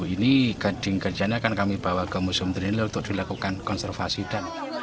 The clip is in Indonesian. ini gading kerjanya akan kami bawa ke museum trinil untuk dilakukan konservasi dan